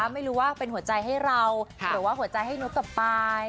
ไม่รู้ว่าเป็นหัวใจให้เราหรือว่าหัวใจให้นกกลับไป